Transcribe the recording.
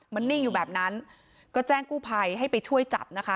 มันนิ่งอยู่แบบนั้นก็แจ้งกู้ภัยให้ไปช่วยจับนะคะ